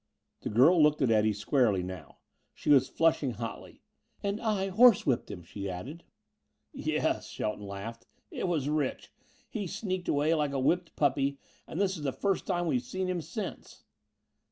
The girl looked at Eddie squarely now. She was flushing hotly. "And I horsewhipped him," she added. "Yes," Shelton laughed; "it was rich. He sneaked away like a whipped puppy, and this is the first time we've seen him since."